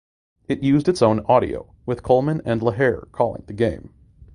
It used its own audio with Coleman and Lahr calling the game.